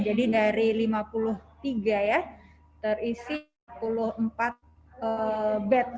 jadi dari lima puluh tiga ya terisi enam puluh empat bed